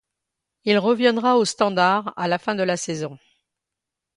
Il reviendra au Standard à la fin de la saison.